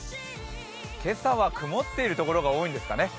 今朝は曇っているところが多いんですかね。